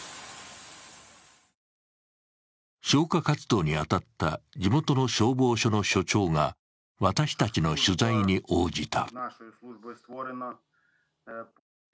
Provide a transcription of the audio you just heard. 消火活動に当たった地元の消防署の署長が私たちの取材に応じた。